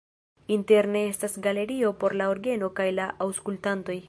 Interne estas galerio por la orgeno kaj la aŭskultantoj.